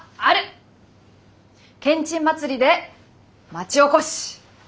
けんちん祭りで町おこし！